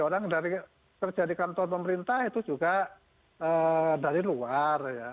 orang dari kerja di kantor pemerintah itu juga dari luar ya